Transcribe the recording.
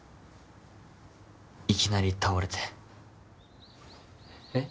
いきなり倒れてえっ？